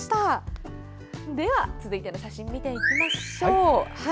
では、続いての写真見ていきましょう。